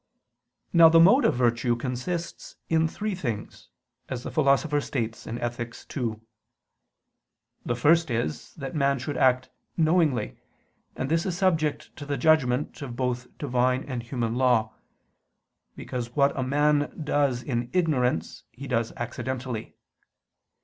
Now the mode of virtue consists in three things, as the Philosopher states in Ethic. ii. The first is that man should act "knowingly": and this is subject to the judgment of both Divine and human law; because what a man does in ignorance, he does accidentally.